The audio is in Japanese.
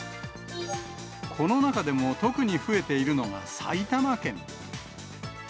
この中でも特に増えているのが、埼玉県。